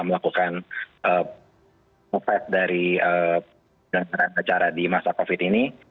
kita juga biasa melakukan fes dari acara di masa covid ini